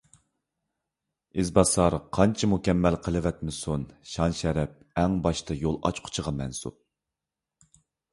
ئىز باسار قانچە مۇكەممەل قىلىۋەتمىسۇن، شان - شەرەپ ئەڭ باشتا يول ئاچقۇچىغا مەنسۇپتۇر.